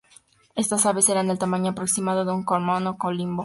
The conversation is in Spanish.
Estas aves eran del tamaño aproximado de un cormorán o un colimbo.